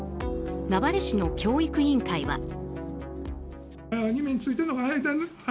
名張市の教育委員会は。